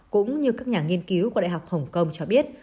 cũng như các nhà nghiên cứu của đại học hồng kông cho biết